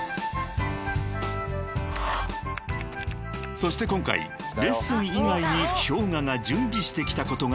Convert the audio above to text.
［そして今回レッスン以外にＨｙＯｇＡが準備してきたことがありました］